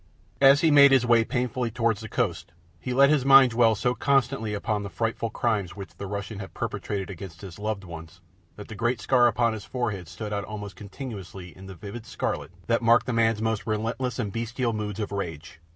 As he made his way painfully towards the coast, he let his mind dwell so constantly upon the frightful crimes which the Russian had perpetrated against his loved ones that the great scar upon his forehead stood out almost continuously in the vivid scarlet that marked the man's most relentless and bestial moods of rage.